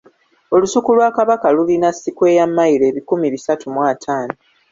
Olusuku lwa Kabaka lulina sikweya mmayiro ebikumi bisatu mu ataano.